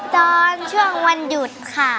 ตอนช่วงวันหยุดค่ะ